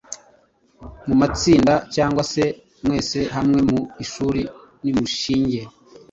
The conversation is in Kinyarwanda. Mu matsinda cyangwa se mwese hamwe mu ishuri nimushinge